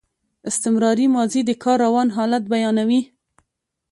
استمراري ماضي د کار روان حالت بیانوي.